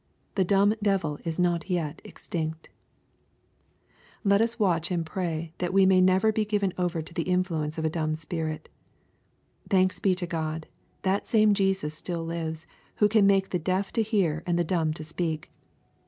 The " dumb devil" is not yet extinct. Let us watch and pray that we may never be given over to the influence of a dumb spirit. Thanks be to God, that same Jesus still lives, who can make the deaf to hear and the dumb to speak